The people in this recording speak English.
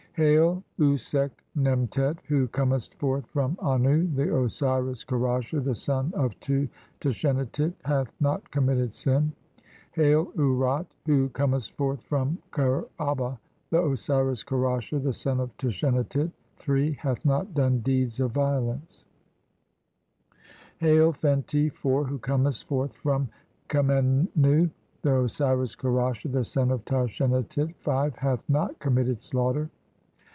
"Hail, Usekh nemtet, who comest forth from Annu, "the Osiris Kerasher, the son of (2) Tashenatit, hath "not committed sin." "Hail, Ur at, who comest forth from Kher aba, the "Osiris Kerasher, the son of Tashenatit, (3) hath not "done deeds of violence." THE BOOK OF BREATHINGS. CO "Hail, Fenti, (4) who comest forth from Khemennu, "the Osiris Kerasher, the son of Tashenatit, (5) hath "not committed slaughter